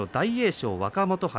翔、若元春。